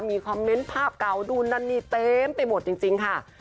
มีคอมเมนต์ภาพเก่านู่นนั่นนี่เต็มไปหมดจริงค่ะ